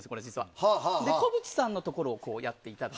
小渕さんのところをやっていただく。